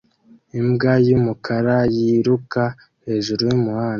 Imbwa yumukara yiruka hejuru yumwanda